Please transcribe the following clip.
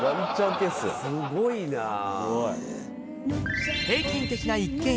すごいな。